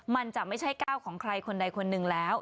มันจะไม่ใช่ก้าวของใครคนใดคนหนึ่งแล้ว